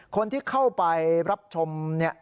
คนที่เข้าไปรับชมเนี่ย